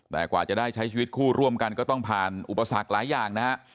แต่กว่าจะได้ใช้ชีวิตคู่ร่วมกันก็ต้องผ่านอุปสรรคหลายอย่างนะฮะ